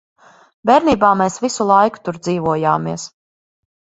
Bērnībā mēs visu laiku tur dzīvojāmies.